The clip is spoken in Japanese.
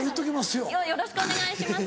よろしくお願いします